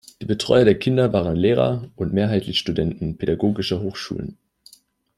Die Betreuer der Kinder waren Lehrer und mehrheitlich Studenten pädagogischer Hochschulen.